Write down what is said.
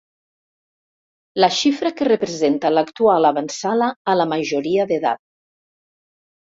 La xifra que representa l'actual avantsala a la majoria d'edat.